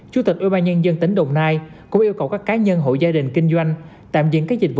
chủ tịch ubnd tỉnh đồng nai cũng yêu cầu các cá nhân hộ gia đình kinh doanh tạm diễn các dịch vụ